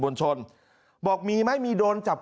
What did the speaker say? มึงอยากให้ผู้ห่างติดคุกหรอ